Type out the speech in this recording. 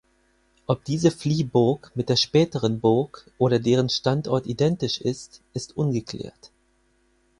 Ob diese Fliehburg mit der späteren Burg oder deren Standort identisch ist, ist ungeklärt.